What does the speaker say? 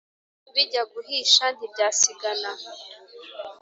bijya guhisha ntibyasigana